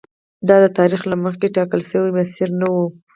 دا د تاریخ له مخکې ټاکل شوی مسیر نه و.